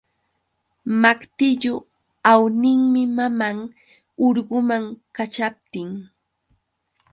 Maqtillu awninmi maman urguman kaćhaptin.